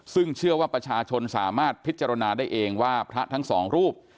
ซึ่งเชื่อว่าประชาชนสามารถพิจารณาได้เองว่าพระทั้งสองรูป